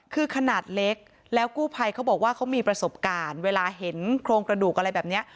คือขนาดเล็กแล้วกู้ภัยเขาบอกว่าเขามีประสบการณ์เวลาเห็นโครงกระดูกอะไรแบบนี้